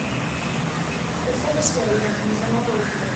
Before the stadium, it was an oil field.